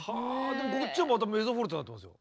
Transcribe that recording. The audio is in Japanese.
でもこっちはまたメゾフォルテになってますよ。